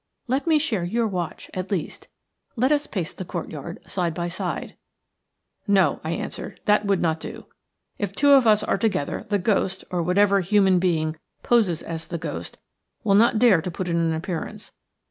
Let me share your watch at least. Let us pace the courtyard side by side." "No," I answered, "that would not do. If two of us are together the ghost, or whatever human being poses as the ghost, will not dare to put in an appearance.